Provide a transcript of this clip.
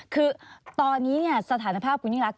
คือตอนนี้สถานภาพคุณยิ่งรัก